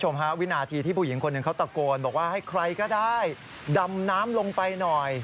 มานี่มานี่